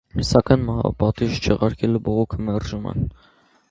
Սակայն մահապատիժը չեղարկելու բողոքը մերժում են։